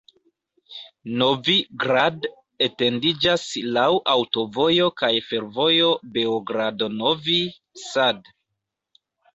Novi Grad etendiĝas laŭ aŭtovojo kaj fervojo Beogrado-Novi Sad.